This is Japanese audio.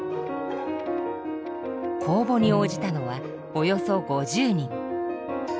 公募に応じたのはおよそ５０人。